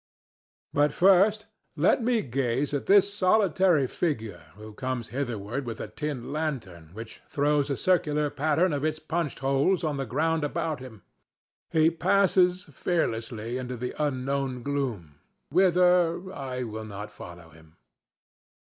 But first let me gaze at this solitary figure who comes hitherward with a tin lantern which throws the circular pattern of its punched holes on the ground about him. He passes fearlessly into the unknown gloom, whither I will not follow him.